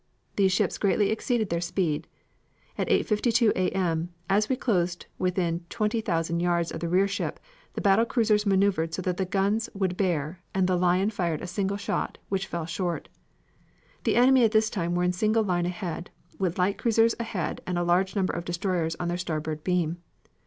These ships greatly exceeded their speed. At 8.52 A. M., as we had closed within 20,000 yards of the rear ship, the battle cruisers maneuvered so that guns would bear and the Lion fired a single shot which fell short. The enemy at this time were in single line ahead, with light cruisers ahead and a large number of destroyers on their starboard beam.